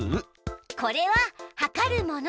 これははかるもの。